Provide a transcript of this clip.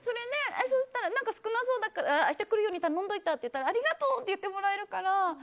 少なそうだから明日来るように頼んどいたって言ったらありがとう！って言ってもらえるから。